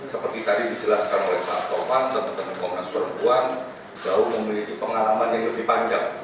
seperti tadi dijelaskan oleh pak tomang teman teman komnas perempuan jauh memiliki pengalaman yang lebih panjang